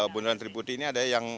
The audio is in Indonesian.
bundaran seribu tri ini ada yang